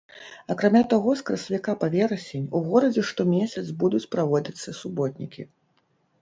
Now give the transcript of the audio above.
Акрамя таго з красавіка па верасень у горадзе штомесяц будуць праводзіцца суботнікі.